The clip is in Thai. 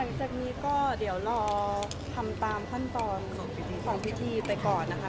หลังจากนี้ก็เดี๋ยวรอทำตามขั้นตอนของพิธีไปก่อนนะคะ